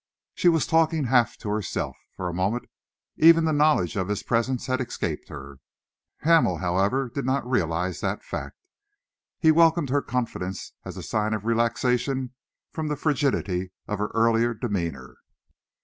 She was talking half to herself. For a moment, even the knowledge of his presence had escaped her. Hamel, however, did not realise that fact. He welcomed her confidence as a sign of relaxation from the frigidity of her earlier demeanour.